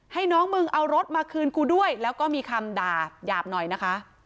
ให้น้องมึงเอารถมาคืนกูด้วยแล้วก็มีคำด่าหยาบหน่อยนะคะ